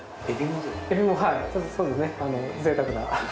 そうですね、ぜいたくな。